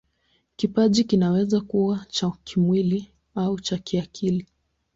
Kipaji kinaweza kuwa cha kimwili au cha kiakili.